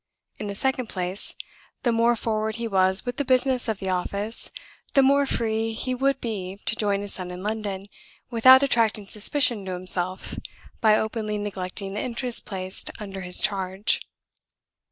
In the second place, the more forward he was with the business of the office, the more free he would be to join his son in London, without attracting suspicion to himself by openly neglecting the interests placed under his charge.